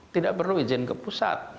tidak perlu izin ke pusat